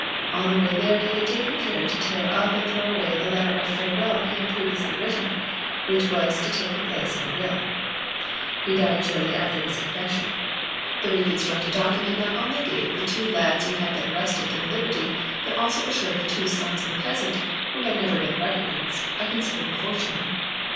On the way there he had taken care to tear "Up and throw away the letter of farewell he had previously written, Which was to take the place of a will. He died shortly after his 7 ah 7 478 DRAWING AND ALLIED ARTS confession. 'The reconstructed document not only gave the two lads who — had been arrested their liberty but also assured the two sons of the peasant, who had never been recognised, a considerable fortune.